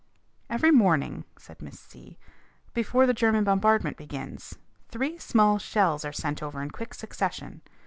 "Every morning," said Miss C , "before the German bombardment begins, three small shells are sent over in quick succession.